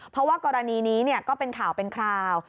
เพราะว่ากรณีนี้ก็เป็นข่าวเป็นคราว